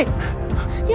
mas dua puluh asib